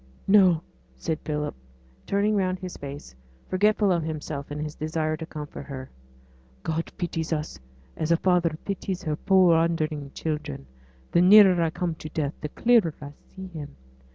'No!' said Philip, turning round his face, forgetful of himself in his desire to comfort her. 'God pities us as a father pities his poor wandering children; the nearer I come to death the clearer I see Him.